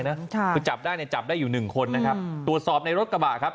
คือจับได้เนี่ยจับได้อยู่หนึ่งคนนะครับตรวจสอบในรถกระบะครับ